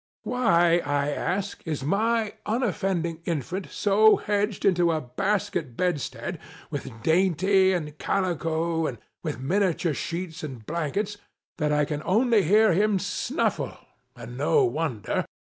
Why, I ask, is my unoffending infant so hedged into a basket bedstead, with dimity and calico, with miniature sheets and blankets, that I can only hear him snuffle (and no wonder